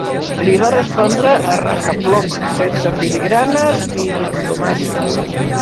Li va respondre a rajaploma, sense filigranes ni diplomàcia.